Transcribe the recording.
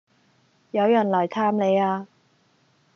有人黎探你呀